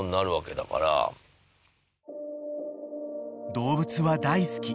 ［動物は大好き］